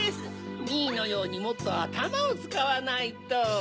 ミーのようにもっとあたまをつかわないと。